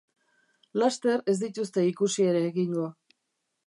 Laster ez dituzte ikusi ere egingo.